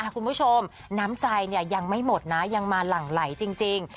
คุณผู้ชมน้ำใจยังไม่หมดนะยังมาหลั่งไหลจริง